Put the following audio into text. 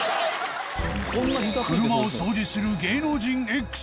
車を掃除する芸能人 Ｘ を発見